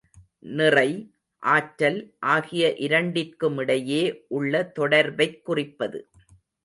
நிறை, ஆற்றல் ஆகிய இரண்டிற்குமிடையே உள்ள தொடர்பைக் குறிப்பது.